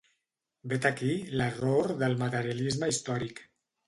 Vet aquí l'error del materialisme històric.